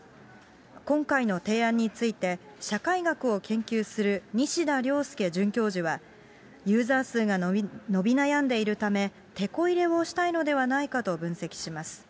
今回の提案について、社会学を研究する西田亮介准教授は、ユーザー数が伸び悩んでいるため、てこ入れをしたいのではないかと分析します。